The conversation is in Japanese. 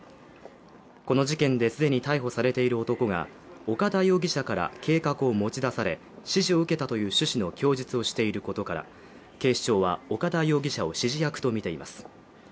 この事件で既に逮捕されている男が岡田容疑者から計画を持ち出され、指示を受けたという趣旨の供述をしていることから警視庁は岡田容疑者を指示役とみています。